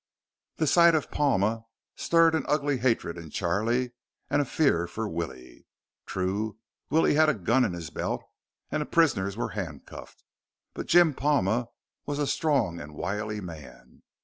The sight of Palma stirred an ugly hatred in Charlie and a fear for Willie. True, Willie had a gun in his belt and the prisoners were handcuffed. But Jim Palma was a strong and wily man.